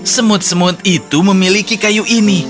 semut semut itu memiliki kayu ini